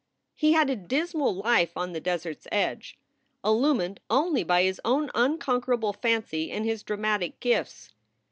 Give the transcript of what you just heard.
He had a dis mal life on the desert s edge, illumined only by his own unconquerable fancy and his dramatic gifts.